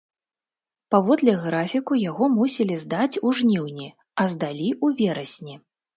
Паводле графіку яго мусілі здаць у жніўні, а здалі ў верасні.